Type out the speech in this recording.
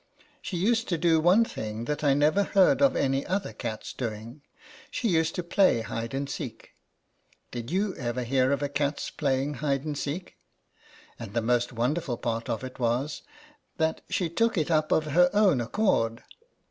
She used to do one thing that I never heard of any other cat's doing : she used to play hide and seek. Did you ever hear of a cat's playing hide and seek? And the most wonderful part of it was, that she took it up of her own accord.